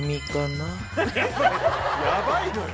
ヤバいのよ。